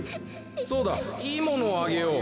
そうだいいものをあげよう。